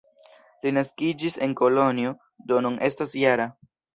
Li naskiĝis en Kolonjo, do nun estas -jara.